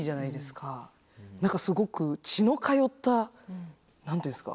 何かすごく血の通った何て言うんですか？